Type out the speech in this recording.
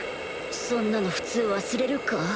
そんなの普通忘れるか？